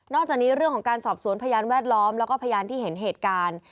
จากนี้เรื่องของการสอบสวนพยานแวดล้อมแล้วก็พยานที่เห็นเหตุการณ์